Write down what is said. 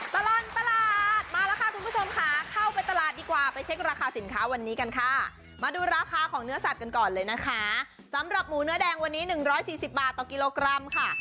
ตลอดตลาดมาแล้วค่ะคุณผู้ชมค่ะเข้าไปตลาดดีกว่าไปเช็คราคาสินค้าวันนี้กันค่ะมาดูราคาของเนื้อสัตว์กันก่อนเลยนะคะสำหรับหมูเนื้อแดงวันนี้๑๔๐บาทต่อกิโลกรัมค่ะ